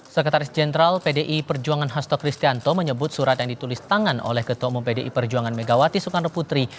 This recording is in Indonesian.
sekretaris jenderal pdi perjuangan hasto kristianto menyebut surat yang ditulis tangan oleh ketua umum pdi perjuangan megawati soekarno putri